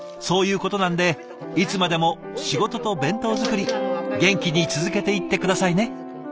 そういうことなんでいつまでも仕事と弁当作り元気に続けていって下さいね。